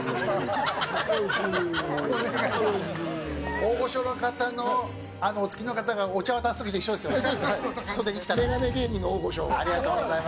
大御所の方のお付きの方がお茶を渡すときと一緒ですよね。